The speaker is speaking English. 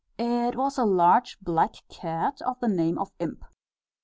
It was a large black cat of the name of Imp.